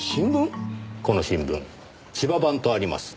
この新聞「千葉版」とあります。